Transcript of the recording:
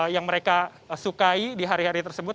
yang mereka sukai di hari hari tersebut